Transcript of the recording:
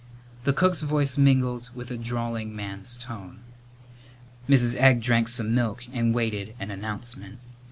The cook's voice mingled with a drawling man's tone. Mrs. Egg drank some milk and waited an announcement.